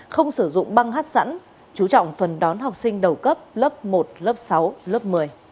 không sử dụng băng hát sẵn chú trọng phần đón học sinh đầu cấp lớp một lớp sáu lớp một mươi